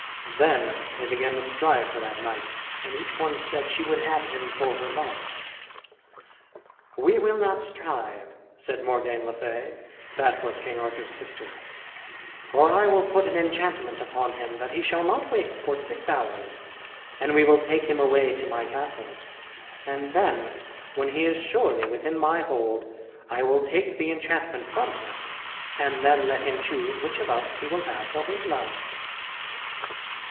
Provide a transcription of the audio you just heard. Then they began to strive for that knight, and each one said she would have him for her love. "We will not strive," said Morgane le Fay, that was King Arthur's sister, "for I will put an enchantment upon him, that he shall not wake for six hours, and we will take him away to my castle; and then when he is surely within my hold, I will take the enchantment from him, and then let him choose which of us he will have for his love."